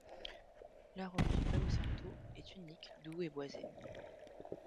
L’arôme du palo santo est unique, doux et boisé.